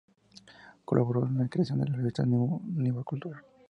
Colaboró en la creación de la revista Nueva Cultura.